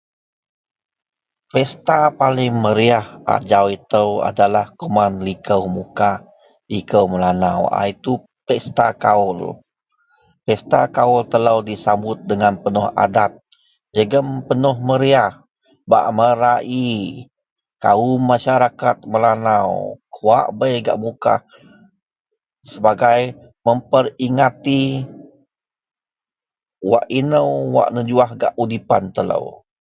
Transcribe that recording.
. Pesta paling meriyah ajau itou adalah kuman likou Mukah, likou Melanau, a itu Pesta Kaul. Pesta Kaul telou disambut dengan penuh adat jegem penuh meriyah bak merai kaum masarakat Melanau wak bei gak Mukah sebagai memperingati wak inou wak nejuwah gak udipan telou